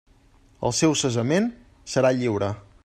El seu cessament serà lliure.